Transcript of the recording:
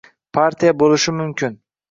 partiya bo‘lishi mumkin.